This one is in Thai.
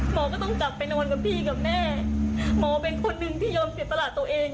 หมอก็ต้องกลับไปนอนกับพี่กับแม่หมอเป็นคนหนึ่งที่ยอมเสียตลาดตัวเอง